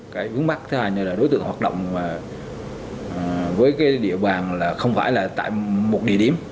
cái ướng mắt thứ hai là đối tượng hoạt động với địa bàn không phải là tại một địa điểm